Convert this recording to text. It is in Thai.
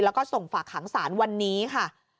แล้วก็ส่งฝากหางศาลวันนี้ค่ะ